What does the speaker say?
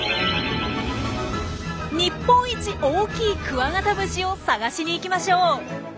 日本一大きいクワガタムシを探しに行きましょう。